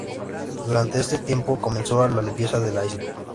Durante este tiempo comenzó la limpieza de la isla.